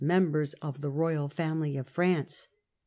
me mbers of the royal family of France.